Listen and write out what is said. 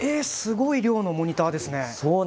すごい量のモニターですね。